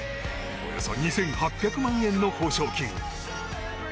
およそ２８００万円の報奨金。